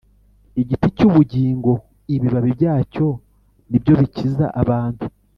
Igiti cy’ubugingo ibibabi byacyo nibyo bikiza abantu